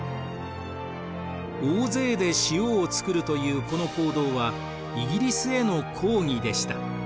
大勢で塩を作るというこの行動はイギリスへの抗議でした。